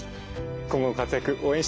今後の活躍応援しています。